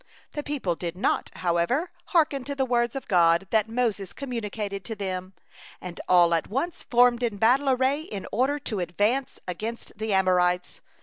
The people did not, however, hearken to the words of God that Moses communicated to them, and all at once formed in battle array in order to advance against the Amorites.